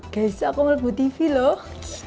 guys aku mau lebut tv loh